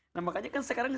nah makanya kan sekarang